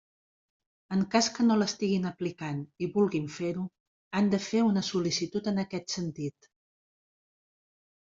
En cas que no l'estiguin aplicant i vulguin fer-ho, han de fer una sol·licitud en aquest sentit.